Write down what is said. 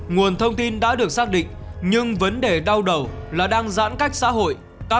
nguồn thông tin đã được xác định nhưng vấn đề đau đầu là đang giãn cách xã hội